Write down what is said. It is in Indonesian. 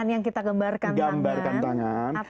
yang kita gambarkan